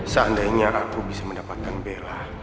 seandainya aku bisa mendapatkan bela